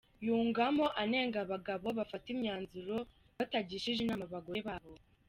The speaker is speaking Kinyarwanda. Yungamo anenga abagabo bafata imyanzuro batagishije inama abagore babo .